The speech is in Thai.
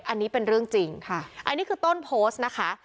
อันนี้เป็นเรื่องจริงค่ะอันนี้คือต้นโพสต์นะคะ